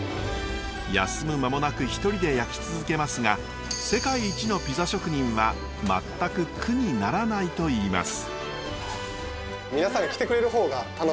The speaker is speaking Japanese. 休む間もなく一人で焼き続けますが世界一のピザ職人は全く苦にならないと言います。